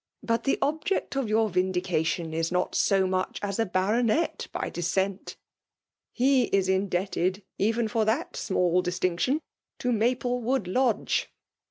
But the object of your vindication is not so muett* as a baronet by descent. He is indebted even for that small distinction to Mxplewood Lodge.